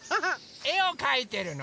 えをかいてるの？